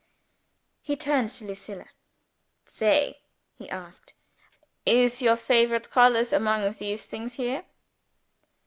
He turned to Lucilla. "Say," he asked. "Is your favorite colors among these things here?"